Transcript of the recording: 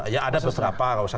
ya ada beberapa